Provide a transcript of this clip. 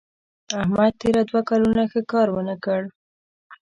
احمد تېر دوه کلونه ښه کار ونه کړ.